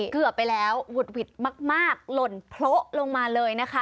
เกือบไปแล้วหุดหวิดมากหล่นโพะลงมาเลยนะคะ